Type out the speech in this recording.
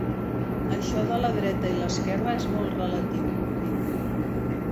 Això de la dreta i l'esquerra és molt relatiu —diu—.